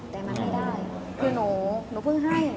แต่มันไม่ได้คือหนูเพิ่งให้